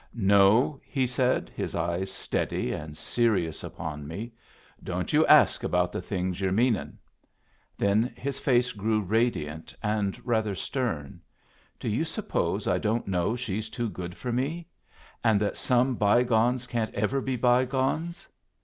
"No," he said, his eyes steady and serious upon me, "don't you ask about the things you're meaning." Then his face grew radiant and rather stern. "Do you suppose I don't know she's too good for me? And that some bygones can't ever be bygones?